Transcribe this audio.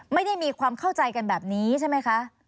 ไม่ได้มีความเข้าใจกันแบบนี้ใช่ไหมคะ